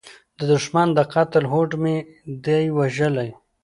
د دوښمن د قتل هوډ مې دی وژلی